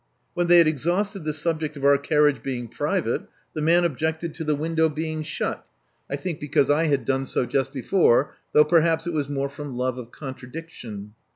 When they had exhausted the subject of our carriage being private, the man objected to the window being shut — I think because I had done so just before, though perhaps it was more from love of contradiction.